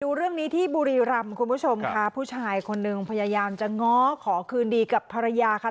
ดูเรื่องนี้ที่บุรีรำคุณผู้ชมค่ะผู้ชายคนหนึ่งพยายามจะง้อขอคืนดีกับภรรยาค่ะ